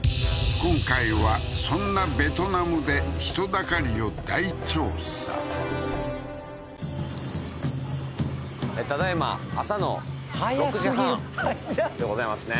今回はそんなベトナムで人だかりを大調査ただ今朝の６時半でございますね